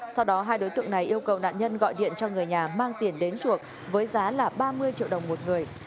sau đó hai đối tượng này yêu cầu nạn nhân gọi điện cho người nhà mang tiền đến chuộc với giá là ba mươi triệu đồng một người